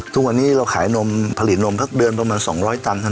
ทุกวันนี้เราผลิตนมเขาเดินประมาณ๒๐๐ตันทั้งนั้นเอง